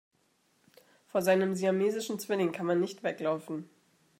Vor seinem siamesischen Zwilling kann man nicht weglaufen.